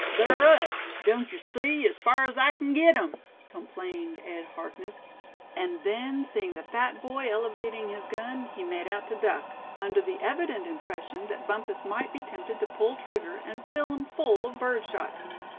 "Ther up, doan't yuh see, ez far ez I kin git 'em!" complained Ed Harkness; and then seeing the fat boy elevating his gun, he made out to duck, under the evident impression that Bumpus might be tempted to pull trigger, and fill him full of bird shot.